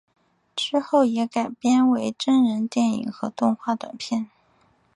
之后也改编为真人电影和动画短片。